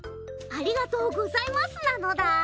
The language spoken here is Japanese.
ありがとうございますなのだ。